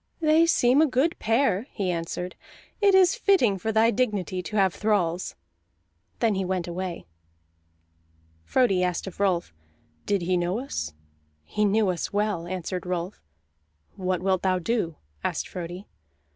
"They seem a good pair," he answered. "It is fitting for thy dignity to have thralls." Then he went away. Frodi asked of Rolf: "Did he know us?" "He knew us well," answered Rolf. "What wilt thou do?" asked Frodi.